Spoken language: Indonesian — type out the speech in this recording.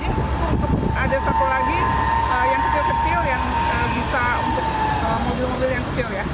itu untuk ada satu lagi yang kecil kecil yang bisa untuk mobil mobil yang kecil ya